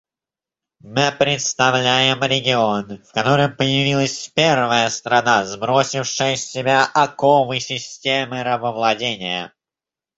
Мы представляем регион, в котором появилась первая страна, сбросившая с себя оковы системы рабовладения.